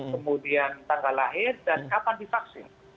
kemudian tanggal lahir dan kapan divaksin